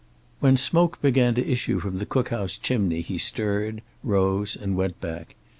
When smoke began to issue from the cook house chimney he stirred, rose and went back.